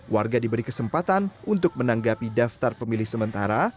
warga diberi kesempatan untuk menanggapi daftar pemilih sementara